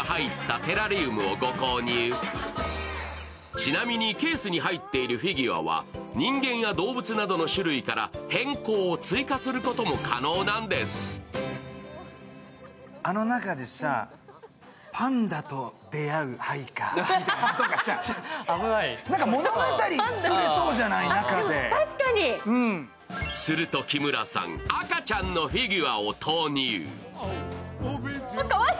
ちなみにケースに入っているフィギュアは人間や動物などの種類から変更、追加することも可能なんですすると木村さん、赤ちゃんのフィギュアを投入。